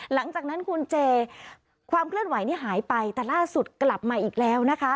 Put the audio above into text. หลังจากนั้นคุณเจความเคลื่อนไหวนี่หายไปแต่ล่าสุดกลับมาอีกแล้วนะคะ